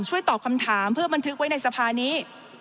ตอบคำถามเพื่อบันทึกไว้ในสภานี้